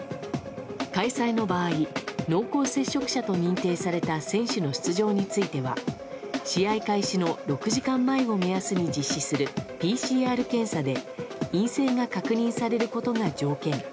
開催の場合、濃厚接触者と認定された選手の出場については試合開始の６時間前を目安に実施するＰＣＲ検査で陰性が確認されることが条件。